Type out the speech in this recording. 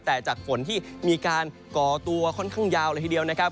แต่จากฝนที่มีการก่อตัวค่อนข้างยาวเลยทีเดียวนะครับ